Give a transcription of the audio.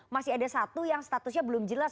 masih ada satu yang statusnya belum jelas